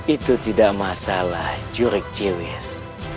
itu tidak masalah jurik ciwis